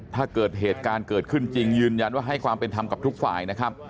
ถ้าเกิดเหตุการณ์เกิดขึ้นจริงยืนยันว่าให้ความเป็นธรรมกับทุกฝ่ายนะครับ